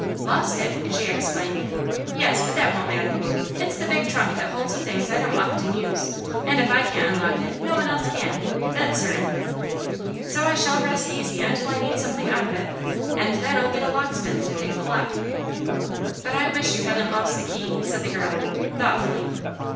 "Lost it!" she exclaimed. "Yes; but that won't matter. It's the big trunk that holds the things I don't often use, and if I can't unlock it no one else can, that's certain. So I shall rest easy until I need something out of it, and then I'll get a locksmith to pick the lock." "But I wish you hadn't lost the key," said the girl, thoughtfully.